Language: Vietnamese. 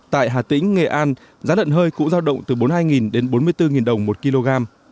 tại hà tĩnh nghệ an giá lợn hơi cũng giao động từ bốn mươi hai đến bốn mươi bốn đồng một kg